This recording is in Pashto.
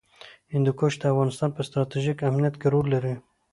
هندوکش د افغانستان په ستراتیژیک اهمیت کې رول لري.